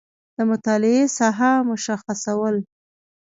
د مطالعې ساحه مشخصول